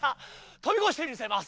飛び越してみせます。